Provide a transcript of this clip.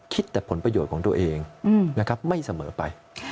คิดแต่ผลประโยชน์ของตัวเองนะครับไม่เสมอไป